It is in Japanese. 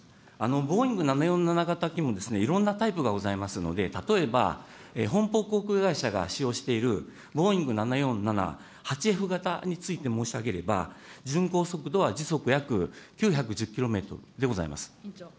ボーイング７４７型機もいろんなタイプがございますので、例えば、本邦航空会社が使用しているボーイング７４７、８Ｆ型について申し上げれば、巡航速度は時速約９１０キロメートルでございます。